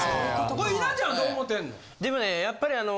これ稲ちゃんはどう思ってんの？